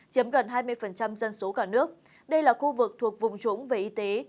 chiếm gần hai mươi dân số cả nước đây là khu vực thuộc vùng trũng về y tế